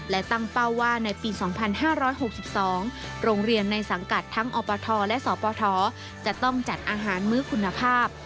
และตั้งเป้าว่าในปี๒๕๖๒โรงเรียนในสังกัดทั้งอปทและสปทจะต้องจัดอาหารมื้อคุณภาพ